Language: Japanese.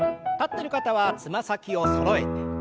立ってる方はつま先をそろえて。